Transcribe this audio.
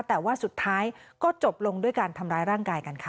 แต่ว่าสุดท้ายก็จบลงด้วยการทำร้ายร่างกายกันค่ะ